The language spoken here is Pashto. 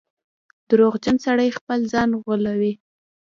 • دروغجن سړی خپل ځان غولوي.